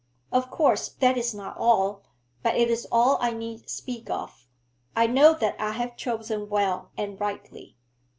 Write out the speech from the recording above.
Of course that is not all, but it is all I need speak of. I know that I have chosen well and rightly.'